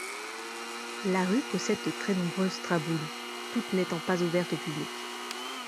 La rue possède de très nombreuses traboules, toutes n'étant pas ouvertes au public.